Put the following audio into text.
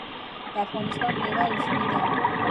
د افغانستان میوه عضوي ده